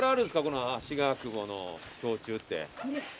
このあしがくぼの氷柱って。